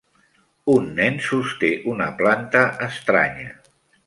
Un nen sosté una planta estranya.